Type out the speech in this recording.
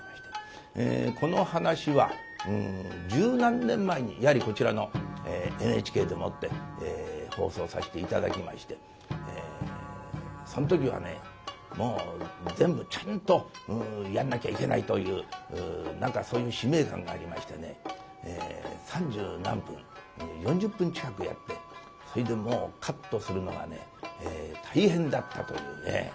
この噺は十何年前にやはりこちらのＮＨＫでもって放送させて頂きましてその時はねもう全部ちゃんとやんなきゃいけないという何かそういう使命感がありましてね三十何分４０分近くやってそれでもうカットするのが大変だったというね。